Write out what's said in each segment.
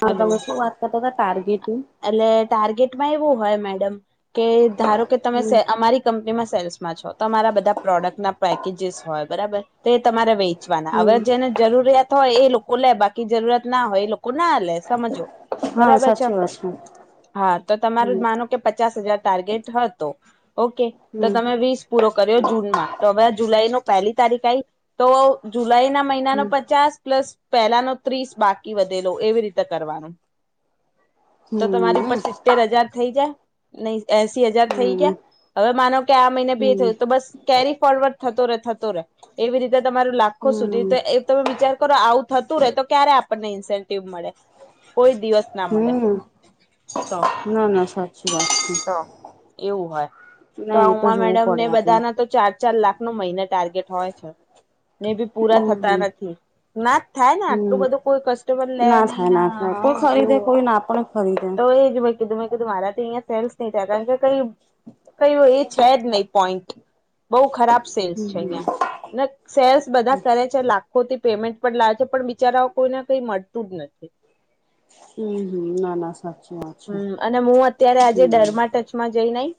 હા હલો તમે શું વાત કરતા હતા ટાર્ગેટની એટલે ટાર્ગેટમાં એવું હોય મેડમ કે ધારો કે તમે હમ સે અમારી કંપનીમાં સેલ્સ માં છો તમારા બધા પ્રોડક્ટના પેકેજસ હોય બરાબર તો એ તમારે વેચવાના હવે હમ જેને જરૂરિયાત હોય એ લોકો લોકો લે બાકી જરૂરત ના હોય એ લોકો ના લે સમજો હા બરાબર છે સાચી વાત હા તો તમારું જ હમ માનું કે પચાસ હજાર ટાર્ગેટ હતો. ઓકે તો તમે વીસ પૂરો કર્યો જૂનમાં તો હવે આ જુલાઈ નું પહેલી તારીખ આઈ તો જુલાઈ ના મહિનાનો પચાસ પ્લસ પહેલાનો ત્રીસ બાકી વધેલો એવી રીતે કરવાનું હમ તો તમારી ઉપર હમ સિત્તેર હજાર થઇ જાય નહી એસી હજાર થઈ ગયા હવે માનો કે આ મહિને હમ ભી થયું તો બસ કેરી ફોરવર્ડ થતો રે થતો રે એવી રીતે તમારું લાખો સુધી હમ તો એ તમે વિચાર કરો આવુ થતું રહેે તો ક્યારે આપણને ઇન્સેન્ટિવ મળે કોઈ દિવસ ના મળે હમ્મ તો ના ના સાચી વાત છે. તો એવું હોય તો ના આ એ ઉમા જોવું મેડમ પડે ને આપડે બધાના તો ચાર ચાર લાખનો મહિને ટાર્ગેટ હોય છે. ને બી પૂરા થતા હમ નથી, ના જ થાય ને આટલું હમ બધું કોઈ ક લે નઈ થાય ના થાય કોઈ હા ખરીદે એવું, કોઈ ના પણ ખરીદે તો એ જ કેમે કીધૂ મારથી તેયા સેલ્સ ન ચ કે કઈ કયું એ છે જ નહી પોઈન્ટ, બહ ખરાબ સેલ્સ હમ છે હમ અહીંયા, સેલ્સ બધા કરે છે લ ખોતી પેમેન્ટ પણ લાવે છે પણ બિચારાઓ કોઈને કઈ મળતું જ નથી. હમ હમ ના ના. સાચી વાત છે હમ અને હું અત્યારે આજે હમ ડરમાં ટચમાં જઈ નઈ.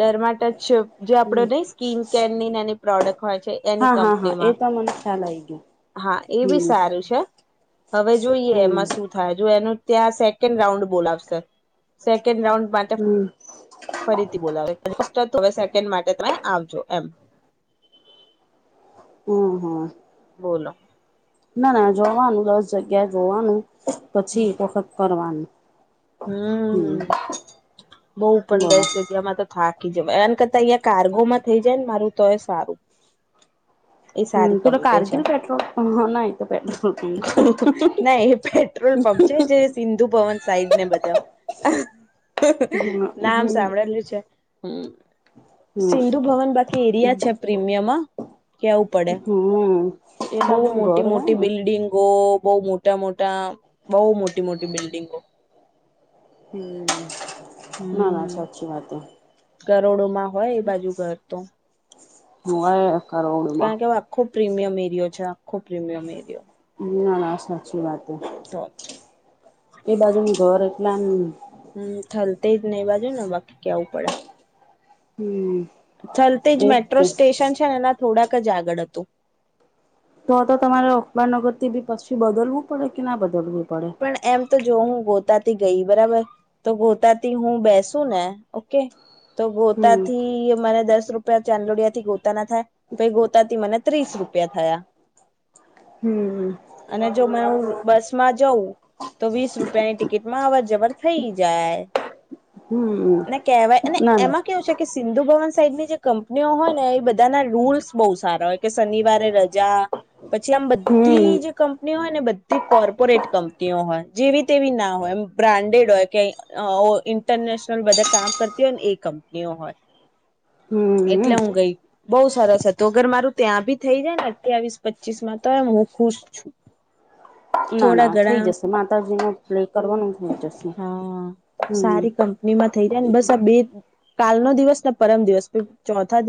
ડરમાં ટચ જે આપડો હમ નહી સ્કીિન કેરની એની પ્રોડક્ટ હોય છે એની કંપનીમાં. મન્યા [unintelligible] હા એ બી સારું છે, હવે જોઈએ હમ એમાં શું થાય જો એનું ત્યાં સેકન્ડ રાઉન્ડ બોલાવશે, સેકન્ડ રાઉન્ડ માટે હમ ફરીથી બોલાવે. વે સેકન્ડ માટે તમે આવજો એમ. હમ્મ હમ્મ બોલો ના ના જોવાનું દસ જગ્યા જોવાનું પછી એક વખત કરવાનું. હમ હમ્મ બહુ પન બોલો દસ જગ્યામાં તો થા કી જવાય આન કરતા ઈયા કાર્ગોમાં થઈ જાય ને મારું તોય સારું. એ સારી હમ પેલો કંપની છે. કારગીલ પેટ્રોલ ના એ તો પેટ્રોલ પંપ છે. ના એ પેટ્રો ટ્રોલ પંપ છે. જે સિંધુભવન સાઈડને બધા હમ નામ હમ સાંભળેલું છે. હમ્મ સિંધુભવન બાકી એરિયા છે પ્રીમિયમ હ. કેવું પડે, હમ એ બહુ બાજુ ઘર મોટી હોય મોટી ને બિલ્ડિંગો. બહુ મોટા મોટા બહુ મોટી મોટી બિલ્ડિંગો. હમ ના ના હમ સાચી વાત હ. કરોડોમાં હોય એ બાજુ ઘર તો. હોવે કરોડોમાં. કારણ કે આખો પ્રીમિયમ એરિયો છે આખો પ્રીમિયમ એરિયો. ના ના સાચી વાતે, તો એ બાજુનું ઘર એટલે આમ હમ થલતેજને એ બાજુ ને બાકી કેવું પડે. હમ. થલતેજ એ મેટ્રો સ્ટેશન છે ને એના થોડાક જ આગળ હતું. તો તો તમારે અખબાર નગરથી બી પસચી બદલવું પડે કે ના બદલવું? પડે પણ એમ તો જો હું ગો ગોતાથી ગઈ બરાબર, તો ગોતાથી હું બેસું ને ઓકે. તો હમ ગોતાથી મને દશ રૂપિયા ચાંદોડિયાથી ગોતાના થાય, પહિ ગોતાથી મને ત્રીસ રૂપિયા થયા. હમ અને જો મે હું બસમાં જ જવું, તો વીસ રૂપિયાની ટિકિટમાં અવર જવર થઇ જાય. હમ એને કેહવાય અને ના ના એમાં કેવું છે કે સિંધુભવન સાઈડની જે કંપનીઓ હોય ને એ બધાના રૂલ્સ બહુ સારા હોય કે શનિવારે રજા. પછી આમ હમ બધી જે કંપનીઓ હોય ને બધી કોર્પોરેટ કંપનીઓ હોય જેવી તેવી ના હોય એમ બ્રાન્ડેડ હોય કે અ ઓ ઇન્ટરનેશનલ બધાં કામ કરતી હોય ને એ કંપનીઓ હોય. હમ. એટલે હું ગઈ, બહુ સરસ હતું અગર મારું ત્યાં ભી થઈ જાયને અઠ્યાવીસ પચીસમાં તોય હું ખુશ છું. ના થોડા ના ઘણા થઈ જશે માતાજીનો પ્લે કરવાનું થઇ જશે. હા હમ સારી કંપનીમાં થઇ જાય ને બસ આ બે કાલનો દિવસને પરમ દિવસ પહિ ચોથા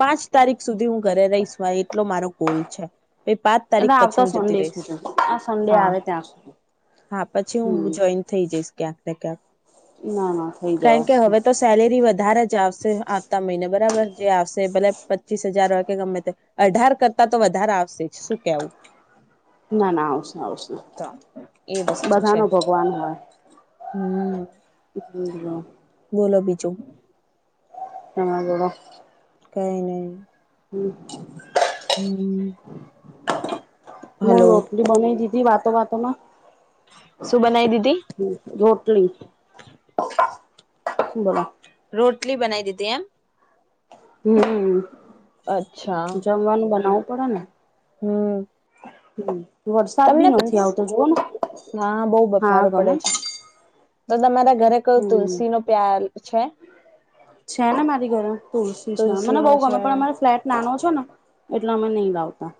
પાંચ તારીખ સુધી હું ઘરે રહીશ મારે એટલો મારો કોલ છે, પહી પાંચ એટલે તારીખ પછી આવતા હું જતી સન્ડે રહીશ, સુધી આ સન્ડે હા. આવે ત્યાં સુધી હા પછી હું હમ જોઈન થઈ જઈશ ક્યાંક ને ક્યાંક. ના ના થઈ કારણ કે જવાશે હવે તો સેલેરી વધારે જ આવશે. આવતા મહિને બ બરાબર જે આવશે ભલે પચીસ હજાર હોય કે ગમે તે અઢાર કરતા તો વધારે આવશે જ. શું કેવું? [inaudible] ના ના આવશે આવશે. તો એ વસ્તુ છે બધાનો ભગવાન હોય. હમ [inaudible] એટલે જ ને ચું હહ બોલો કઈ નહીં હમ હું હલો રોટલી બનાઈ દીધી વાતો વાતોમાં. શું બનાઈ દીધી? ટલી બરા રોટલી બનાઈ દીધી એમ? હમ, જમવાનું બનાવું પડે ને. હમ્મ. હમ્મ, વરસાદ બી નથી આવતો જુવો ને હા બહુ હા બફારો ગમે. પડે છે તો તમારા ઘરે કયું તુલસી નો પ્યાલ છે? છે, ને મારી ઘરે તુલસી છે. મને બો નો ગમે છે પણ અમારો ફ્લેટ નાનો છે. ને એટલા અમે નહી લાવતા.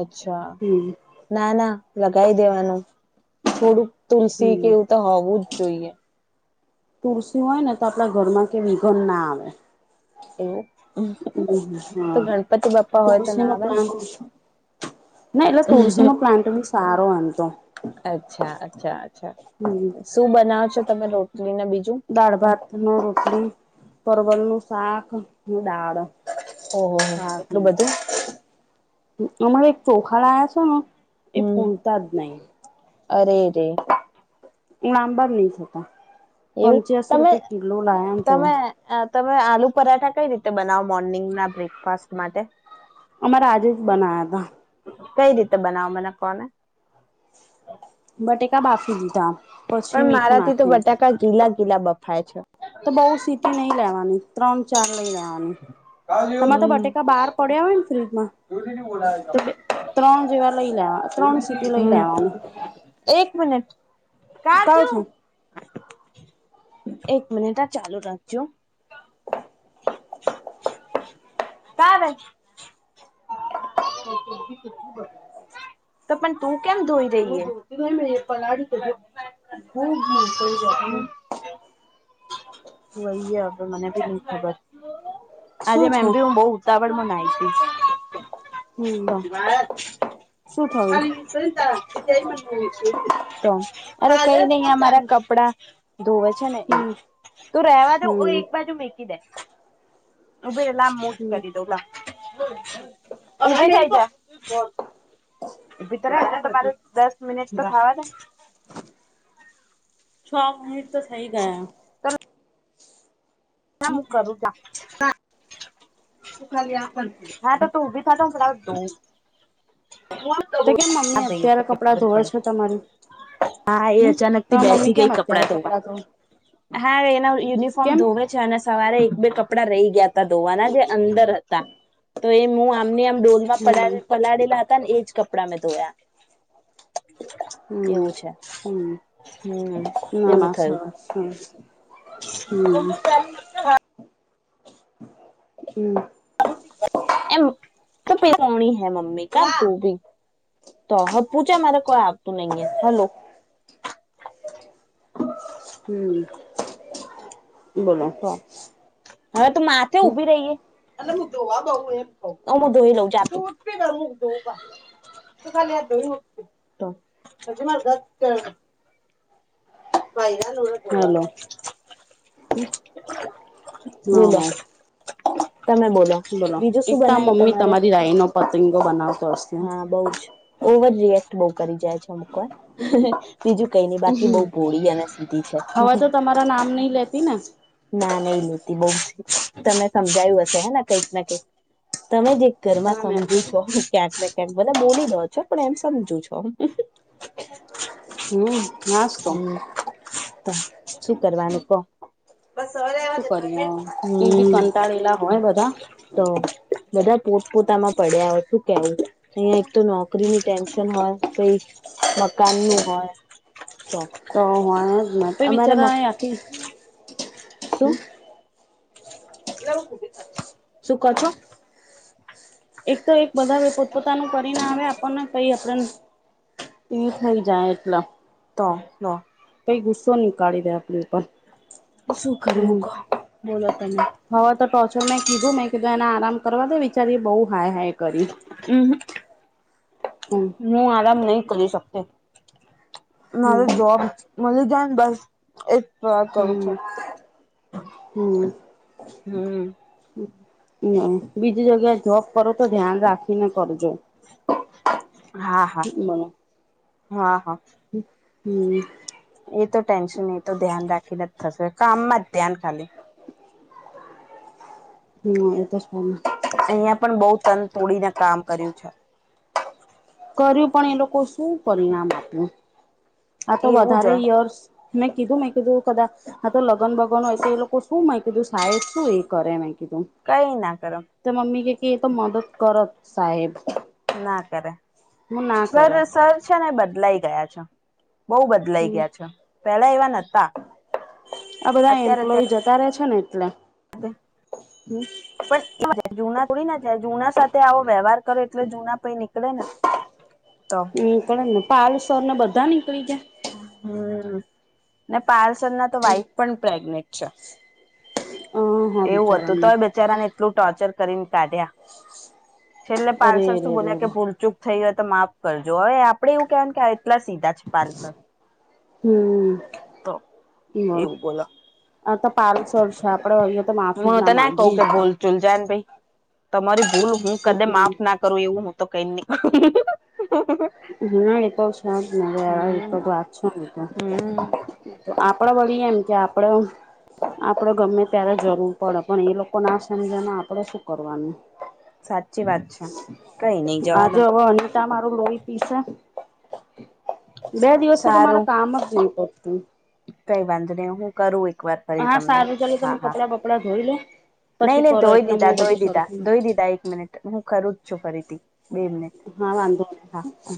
અચ્છા, હમ ના-ના લગીવી દેવાનું થોડુંક તુલસી કે હમ એવું તો હોવું જ જોઈએ. તુલસી હોય ને, તો આપણા ઘરમાં કે વિઘન ના આવે. એવું હમ્મ, તો હા ગણપતિ બાપ્પા હોય તો ના તુલસીનો આવે ને પ્લાન્ટ ના, એટલે તુલસીનો પ્લાન્ટ બી સારો તો અચ્છા, અચ્છા, અચ્છા હમ શું બનાવો છો તમે રોટ દાળ-ભાત ને રોટલી પરવલનું શાક ને દાળ. ઓહોહો હા, એટલું બધું અમારો એક ચોખાડાયા છે, ને [inaudible] એ હમ પૂરતા જ નહી. અરે રે. [unintelligible] નહી થતા. પંચ્યાસી એવું, રૂપે કિલો લાયા ને તો તમે આલુ પરાઠા કઈ રીતે બનાવો, મોર્નિંગના બ્રેકફાસ્ટ માટે? અમારે આજે જ બનાયા તા કઈ રીતે બનાવો, મને કહો ને? બટાકા બાફી દીધા પછી પણ, મીઠું મારાથી તો નાખીને બટાકા ગીલા-ગીલા બફાય છે. તો, બો સીટી નહીં લેવાની, ત્રણ-ચાર લઈ લેવાની. તમારે તો, બટાકા બહાર પડ્યા હોય ને? ફ્રીજમાં. હમ ત્રણ, જેવા લઈ લેવા, ત્રણ સિટી લઈ લેવાની. કઉ કાજું છું એક મિનિટ હા ચાલુ રાખજો. [inaudible] [inaudible] તો પણ તું કેમ ધોઈ રહી છે. [unintelligible] [unintelligible] મને ભી ની ખબર. આજે શું મે છે ભી બો ઉતાવળમાં નહાઈ હતી. [inaudible] તો શું થયું સુતા હમ હમ [unintelligible] [unintelligible] લાવ હુ, જ હમ કરી દેમ. ઊભી, તો રેય દસ મિનિટ તો થવા દે છ, મનિટ તો થઈ ગઇ. તો ના, હું કરું. તું ખાલી, આ કર તો હા, ભાઈ એ તો કેમ મમ્મી તો અત્યારે કપડાં ખબર ધોવે પડે- છે તમારી હા, એ હમ તો અચાનકથી મમ્મી બેસી ગઈ કેમ અત્યારે કપડાં ધોવા ધોવે હા, એના યુનિફોર્મ કેમ ધોવે છે. અને સવારે એક બે કપડા રહી ગયા, તે ધોવાના, જે અંદર હતા તો એ હું આમનેમ ડોલમાં હમ પલાળેલા હતા, ને એજ કપડાં મેં ધોયા હમ્મ, એવું છે હમ્મ હમ એવું થયું [unintelligible] હમ્મ. [unintelligible] તો હ પૂછે મારે કોઈ આવતું નહી હલો? હમ બોલો તો હવે તું માથે હમ ઉભી રહીએ? [unintelligible] હું ધોઈ લઉં, જા તું. [unintelligible] તું ખાલી આ [inaudible] [unintelligible] હાલો [unintelligible] હા [inaudible] તમે બોલો, બીજું શું એક તો આ બનાવ્યું મમ્મી તમારે? તમારી રાય નો પતંગો બનાવતો હશે હા બઉજ રિએક્ટ બહુ કરી જાય છે. અમુકવાર બીજું કઈ નહિ, બાકી બહુ ભોળી અને અને સીધી છે. હવે તો તમારા નામ નહી લેતી ને ના નહી, લેતી બહુ. તમે સમજાયું હશે હેને કઈક ના કઈક? તમે જે ઘરમા ના મે સમજુ તો છો. ક્યાંક ને ક્યાંક ભલે બોલી દો છો, પણ એમ સમજુ છો. હમ, હાસ્તો! હમ શું કરવાનું? કો બસ હવે શું રહેવાદે. કરીએ [unintelligible] એ બી હમ. કંટાળેલા હોય બધા તો બધા પોતપોતામાં પડ્યા હોય શું કેવું? અહીં એક તો નોકરીની ટેન્શન હોય મકાનનુ હોય તો તો [unintelligible] અમારા મક બિચારા આખી શું? શું કો છો? એક તો એક બધા પોતપોતાનું કરીને આવે આપણને કઈ આપણે એ થઈ જાય એટલા. તો લો [unintelligible] ગુસ્સો નીકાળી દે આપડી ઉપર શું કરવું હમ કો? બોલો તમે હવે, તો ટોચર મે કીધું, મેં કીધું એને આરામ કરવા દો બિચારીએ બઉ હાય-હાય કર્યુ હુ આરામ નહી, કરી શકતી. મારે હમ જોબ મલીજાય ને બસ એ પ્રયાાર કરું હમ છુ, હમ હમ હમ્મ, બીજી જગ્યાએ જોબ કરો તો ધ્યાન રાખીને કરજો- મને હા-હા-હા-હા. હમ એ તો ટેન્શન, એ તો ધ્યાન રાખીને જ થશે કામમાં જ ધ્યાન ખાલી હમ એ તો છે. અહિયાં પણ બહુ તન તોડીને કામ કર્યું છે. કર્યું પણ એ લોકો શું પરિણામ આપ્યું? આ તો એવું જ વધારે યર્સ મેં કીધું, મેં કીધું કદા આ તો લગન બગન હોય તો એ લોકો શું મે કીધું સહાય શું એ કરે? કઈ ના કરે તો મમ્મી કે કે એતો મદત કરત સાહેબ. ના કરે. હું ના સર કરે સર છે ને બદલાઈ ગયા છે. બહુ બદલાઈ હમ ગયા છે. પેલા એવા નતા, આ બધા અત્યારે એમ્પ્લોય અત્યારે [unintelligible] એટલે પણ [inaudible] જુના થોડી [inaudible] જુના સાથે આવો વ્યવહાર કરો એટલે જુના પઈ નીકળે ને. તો હમ, નીકળેને. પારૂલસર ને બધા નીકળી ગ્યા? હમ. ને પારૂલસર ના તો વાઈફ પણ પ્રેગ્નેન્ટ છે. હ હા એવું હતું બિચારામને તોય બચારાને એટલું ટોર્ચર કરીને કાઢ્યા. છેલ્લે અરે રે પારૂલસર રે શું બોલ્યા કે રે ભૂલચૂક થઈ હોય તો માફ કરજો. હવે આપડે એવું કહેવાનું ક્યા આવે એટલા સીધા છે પારૂલસર. હમ્મ હમ્મ એવું બોલો આ તો પારૂલ સર છે, આપડે હઇએ તો માફી જ હું તો ના કઉ માગીએ કે ભૂલ ચૂલ જાન ભાઈ તમારી ભૂલ હું કદ માફ ના કરું એવું હું તો કહીન નીકળું. હમ એતો છે જ હમ ને. હમ [unintelligible] આપડો વણીએ એમ જે આપડો આપડે ગમે ત્યારે જરૂર પડે પણ એ લોકો ના સમજમાં આપડે શું કરવાનું? સાચી વાત છે, કંઈ નઈ જવા આજે દોને. હવે અનિતા લોહી પીસે બે દિવસે તો મારા સારું કામ જ નહી કરતું. કઈ વાંધ નહી હું કરું એક વાર ફરી હા તમને સારું ચાલો હા તમે હા. કપડાં બપડા ધોઈ લો નહી પછી નહી કરો ધોઈ એટલે દીધા હું ધોઈ બધું દીધા સરખું ધોઈ દીધા એક મિનિટ હું ખરું જ છું ફરીથી બે મિનિટ હા વાંધો નહી હા, હા.